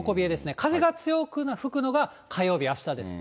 風が強く吹くのが、火曜日、あしたですね。